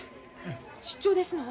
出張ですの？